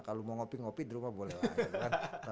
kalau mau ngopi ngopi di rumah boleh lah